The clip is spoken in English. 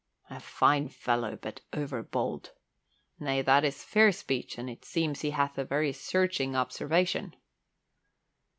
'A fine fellow, but overbold!' Nay, that is fair speech and it seems he hath a very searching observation."